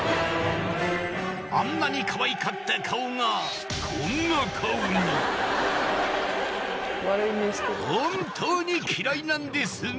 あんなにかわいかった顔がこんな顔に本当にキライなんですね・